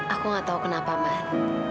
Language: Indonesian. aku gak tau kenapa man